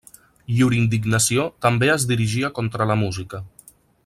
Llur indignació també es dirigia contra la música.